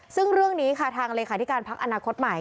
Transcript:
ซึ่งเรื่องนี้ค่ะทางเลขาธิการพักอนาคตใหม่